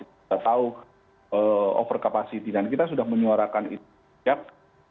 kita tahu over capacity dan kita sudah menyuarakan itu sejak